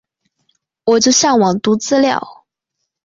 我就上网读资料